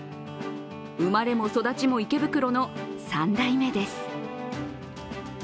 生まれも育ちも池袋の３代目です。